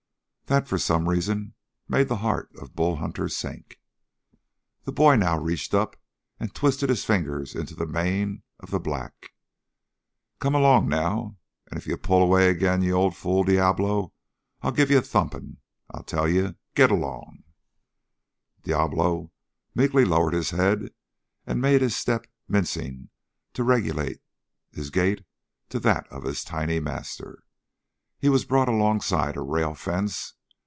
That, for some reason, made the heart of Bull Hunter sink. The boy now reached up and twisted his fingers into the mane of the black. "Come along now. And if you pull away ag'in, you old fool, Diablo, I'll give you a thumping, I tell you. Git along!" Diablo meekly lowered his head and made his step mincing to regulate his gait to that of his tiny master. He was brought alongside a rail fence.